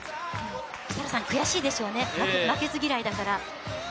設楽さん、悔しいでしょうね、負けず嫌いだから。